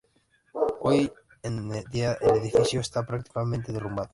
Hoy en día el edificio está prácticamente derrumbado.